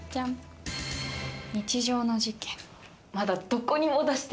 日常の事件。